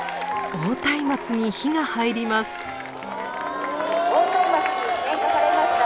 「大松明に点火されました。